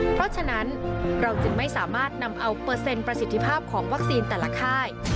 เพราะฉะนั้นเราจึงไม่สามารถนำเอาเปอร์เซ็นต์ประสิทธิภาพของวัคซีนแต่ละค่าย